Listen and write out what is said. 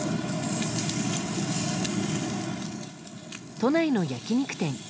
都内の焼き肉店。